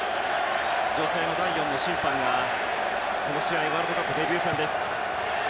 女性の第４の審判はこの試合、ワールドカップデビュー戦です。